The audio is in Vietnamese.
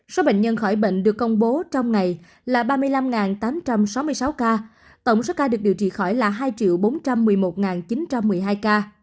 số bệnh nhân khỏi bệnh được công bố trong ngày là ba mươi năm tám trăm sáu mươi sáu ca tổng số ca được điều trị khỏi là hai bốn trăm một mươi một chín trăm một mươi hai ca